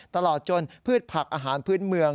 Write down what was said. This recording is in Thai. ตลอดจนพืชผักอาหารพื้นเมือง